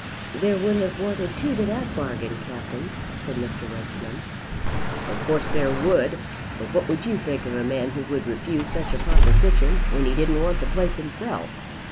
"There would have wanted two to that bargain, Captain," said Mr. Runciman. "Of course there would, but what would you think of a man who would refuse such a proposition when he didn't want the place himself?